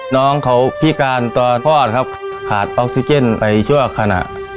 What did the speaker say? น้องเขาพิการตอนคลอดครับขาดออกซิเจนไปชั่วขณะ